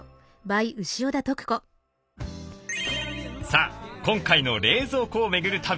さあ今回の冷蔵庫を巡る旅。